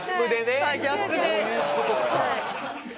はいギャップで。